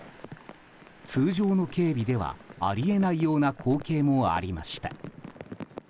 通常の警備ではあり得ないような光景もありました。